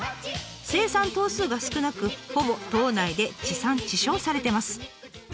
生産頭数が少なくほぼ島内で地産地消されてます。